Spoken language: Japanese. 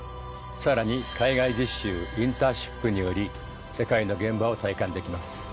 さらに海外実習インターンシップにより世界の現場を体感できます。